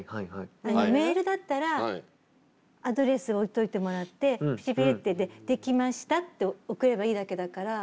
メールだったらアドレスを置いといてもらってできましたって送ればいいだけだから。